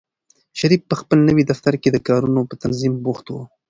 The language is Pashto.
شریف په خپل نوي دفتر کې د کارونو په تنظیم بوخت و.